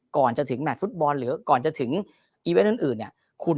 ก่อนจะถึงแมทฟุตบอลหรือก่อนจะถึงอีเวนต์อื่นเนี่ย